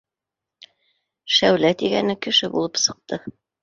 Шәүлә тигәне кеше булып сыҡты